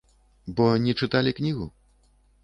Бо не чыталі кнігу?